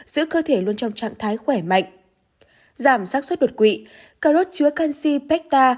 giữ cơ thể luôn trong trạng thái khỏe mạnh giảm sát xuất đột quỵ cà rốt chứa canxi pecta